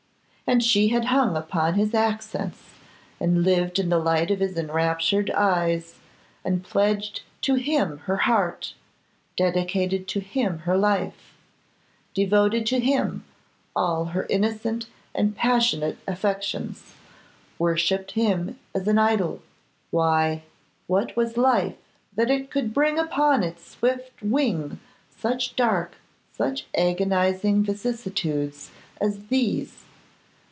And she had hung upon his accents, and lived in the light of his enraptured eyes, and pledged to him her heart, dedicated to him her life, devoted to him all her innocent and passionate affections, worshipped him as an idol! Why, what was life that it could bring upon its swift wing such dark, such agonising vicissitudes as these?